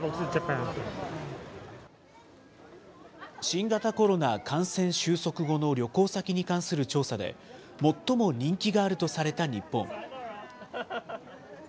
新型コロナ感染終息後の旅行先に関する調査で、最も人気があるとされた日本。